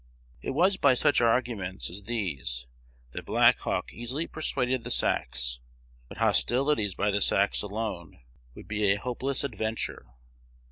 It was by such arguments as these that Black Hawk easily persuaded the Sacs. But hostilities by the Sacs alone would be a hopeless adventure.